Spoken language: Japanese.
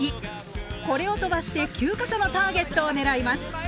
これを飛ばして９か所のターゲットを狙います。